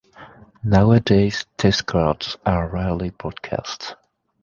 Nowadays test cards are rarely broadcast.